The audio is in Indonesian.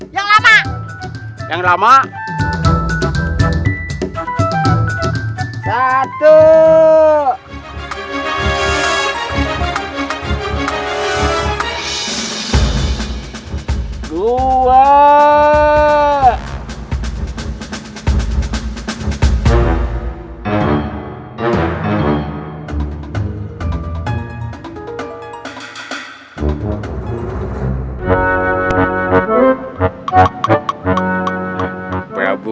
selasi selasi bangun